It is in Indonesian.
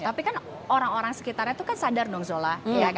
tapi kan orang orang sekitarnya itu kan sadar dong zola